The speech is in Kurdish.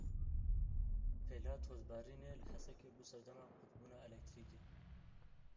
Pêla tozbarînê li Hesekê bû sedema qutbûna elektrîkê.